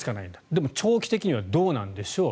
でも、長期的にはどうなんでしょう。